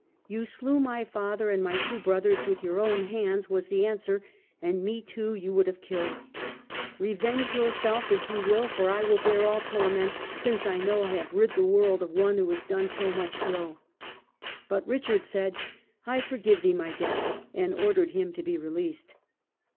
"You slew my father and my two brothers with your own hands," was the answer, "and me too you would have killed. Revenge yourself as you will, for I will bear all torments since I know I have rid the world of one who has done so much ill." But Richard said, " I forgive thee my death ", and ordered him to be released.